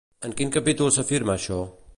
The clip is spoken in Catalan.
En quin capítol s'afirma això?